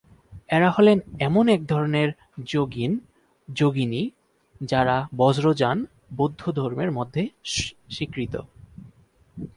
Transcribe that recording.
এরা হলেন এমন একধরনের যোগিন/যোগিনী যারা বজ্রযান বৌদ্ধধর্মের মধ্যে স্বীকৃত।